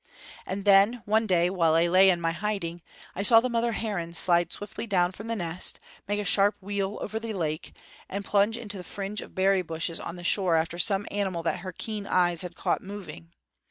And then, one day while I lay in my hiding, I saw the mother heron slide swiftly down from the nest, make a sharp wheel over the lake, and plunge into the fringe of berry bushes on the shore after some animal that her keen eyes had caught moving.